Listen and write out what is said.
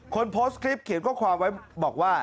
คนโพสต์คลิปเขียนข้อความไว้บอกว่า